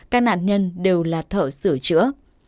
các nạn nhân đều là thợ sửa chữa